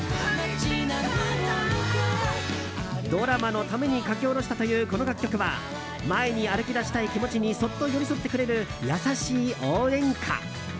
ドラマのために書き下ろしたというこの楽曲は前に歩き出したい気持ちにそっと寄り添ってくれる優しい応援歌。